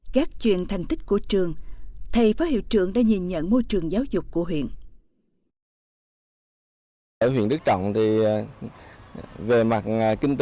các chuyện thành tích của trường thầy phá hiệu trưởng đã nhìn nhận môi trường giáo dục của huyện